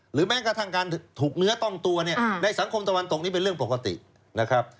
แม้กระทั่งการถูกเนื้อต้องตัวเนี่ยในสังคมตะวันตกนี่เป็นเรื่องปกตินะครับ